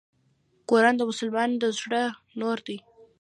قرآن د مسلمان د زړه نور دی .